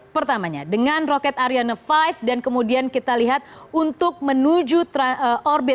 pertamanya dengan roket ariana lima dan kemudian kita lihat untuk menuju orbit